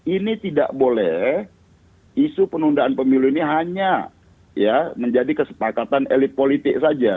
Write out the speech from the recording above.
ini tidak boleh isu penundaan pemilu ini hanya menjadi kesepakatan elit politik saja